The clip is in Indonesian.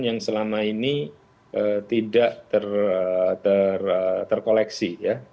yang selama ini tidak terkoleksi